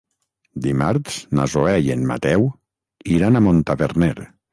Dimarts na Zoè i en Mateu iran a Montaverner.